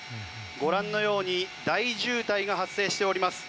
ご覧のように大渋滞が発生しております。